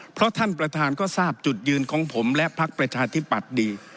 เพราะท่านประธานก็ทราบจุดยืนของผมและพักประชาธิปัตย์ดี